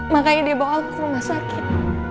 makanya dia bawa ke rumah sakit